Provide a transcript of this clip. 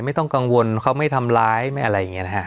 ไม่ต้องกังวลเขาไม่ทำร้ายไม่อะไรอย่างนี้นะฮะ